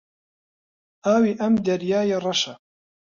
ئاوی ئەم دەریایە ڕەشە.